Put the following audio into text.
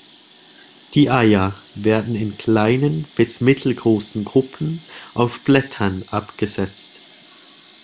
Die Eier werden in kleinen bis mittelgroßen Gruppen auf Blättern abgesetzt.